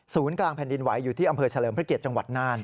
กลางแผ่นดินไหวอยู่ที่อำเภอเฉลิมพระเกียรติจังหวัดน่าน